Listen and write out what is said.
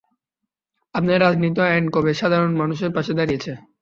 আপনাদের রাজনীতি ও আইন কবে সাধারণ মানুষের পাশে দাঁড়িয়েছে?